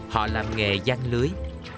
họ làm nghề giăng lưới